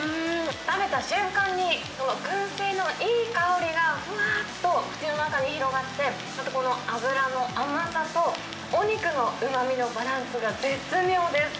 食べた瞬間に、このくん製のいい香りがふわーっと口の中に広がって、ちょっとこの脂の甘さとお肉のうまみのバランスが絶妙です。